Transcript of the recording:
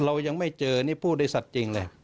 เรายังไม่เจอนี่ผู้โดยสัตว์จริงเลย